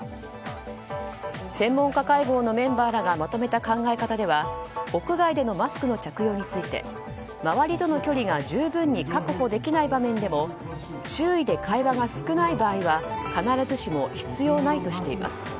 専門家会合のメンバーらがまとめた考え方では屋外でのマスクの着用について周りとの距離が十分に確保できない場面でも周囲で会話が少ない場合は必ずしも必要ないとしています。